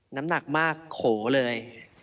น้ำหนักมากโขเลย